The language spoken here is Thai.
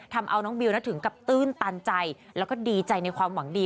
ทำเอาน้องบิวถึงกับตื้นตันใจแล้วก็ดีใจในความหวังดี